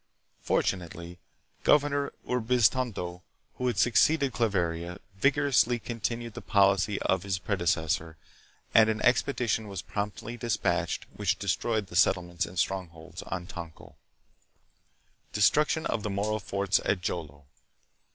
Fortunately, Governor Urbiztondo, who had succeeded Claveria, vigorously continued the policy of his predeces sor, and an expedition was promptly dispatched which destroyed the settlements and strongholds on Tonkil. Destruction of the Moro Forts at Jolo.